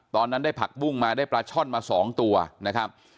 ตอนนั้นได้ผักบุ้งมาได้ปลาช่อนมา๒ตัวนะครับ